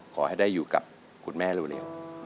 ขอให้ได้อยู่กับคุณแม่เร็ว